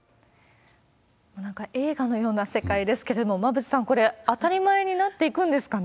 なんか映画のような世界ですけれども、馬渕さん、これ、当たり前になっていくんですかね？